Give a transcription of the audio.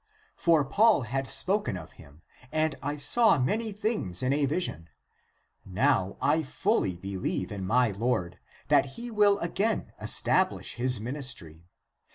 For Paul had spoken of him, and I saw many things in a vision. Now I fully believe in my Lord, that he will again establish his ministry.